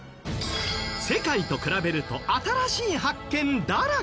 世界と比べると新しい発見だらけ！